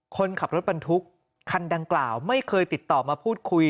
คนขับรถบรรทุกคันดังกล่าวไม่เคยติดต่อมาพูดคุย